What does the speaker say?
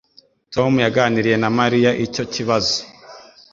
Tom yaganiriye na Mariya icyo kibazo.